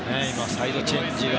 サイドチェンジが。